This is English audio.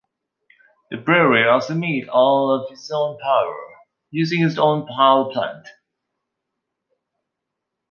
The brewery also made all of its own power using its own power plant.